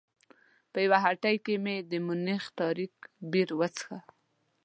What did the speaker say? په یوه هټۍ کې مې د مونیخ تاریک بیر وڅښه.